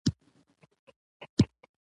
راکټ یو تېز الوتونکی توغندی دی